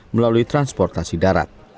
melalui transportasi darat